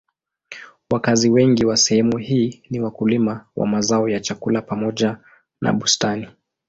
Wakazi wengi wa sehemu hii ni wakulima wa mazao ya chakula pamoja na bustani.